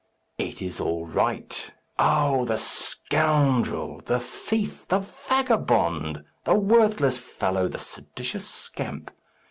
"It is all right! Oh, the scoundrel! the thief! the vagabond! the worthless fellow! the seditious scamp!